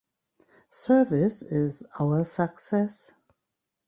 Service is our success .